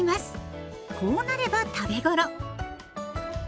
こうなれば食べ頃。